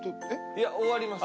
いや終わります